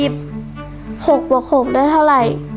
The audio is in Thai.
๖บวก๖ได้เท่าไหร่